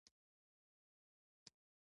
پوهنتونونه دي نړیوالې څېړنې خپرې کړي.